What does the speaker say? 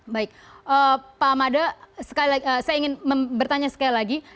baik pak mada saya ingin bertanya sekali lagi